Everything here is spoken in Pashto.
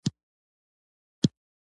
په مالوه کې قدرت ونیوی.